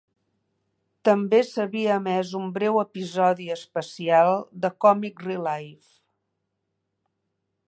També s'havia emès un breu episodi especial de Comic Relief.